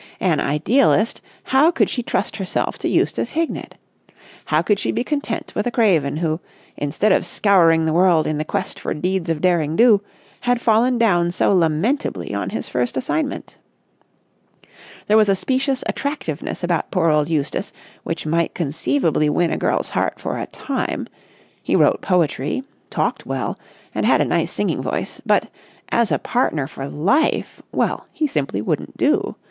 An idealist, how could she trust herself to Eustace Hignett? How could she be content with a craven who, instead of scouring the world in the quest for deeds of derring do, had fallen down so lamentably on his first assignment? There was a specious attractiveness about poor old Eustace which might conceivably win a girl's heart for a time; he wrote poetry, talked well, and had a nice singing voice; but, as a partner for life ... well, he simply wouldn't do.